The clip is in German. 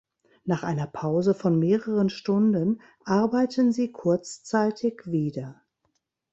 Nach einer Pause von mehreren Stunden arbeiten sie kurzzeitig wieder.